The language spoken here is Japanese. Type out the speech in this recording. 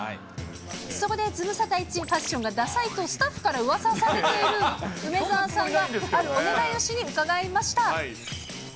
そこでズムサタいちファッションがださいとスタッフからうわさされている梅澤さんが、あるお願いをしに伺いました。